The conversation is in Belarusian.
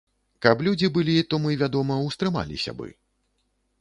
Каб людзі былі, то мы, вядома, устрымаліся бы.